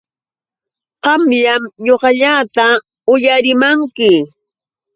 Qamllam ñuqallata uyarimanki.